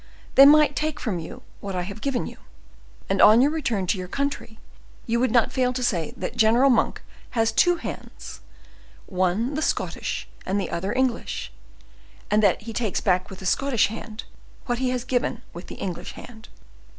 They might take from you what I have given you, and, on your return to your country, you would not fail to say that General Monk has two hands, the one Scottish, and the other English; and that he takes back with the Scottish hand what he has given with the English hand."